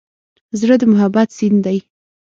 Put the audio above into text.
زړه د محبت سیند دی.